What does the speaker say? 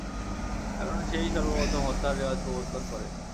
কারণ সে-ই সর্বপ্রথম হত্যার রেওয়াজ প্রবর্তন করে।